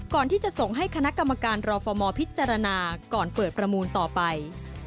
ก่อนที่จะส่งให้คณะกรรมการรอฟมพิจารณาก่อนเปิดประมูลต่อไป